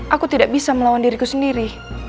aku tidak bisa melawan diriku sendiri